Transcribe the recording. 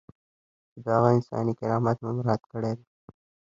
چې د هغه انساني کرامت مو مراعات کړی دی.